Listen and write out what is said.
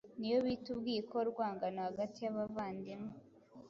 niyo bita ubwiko urwangano hagati yabavandimwe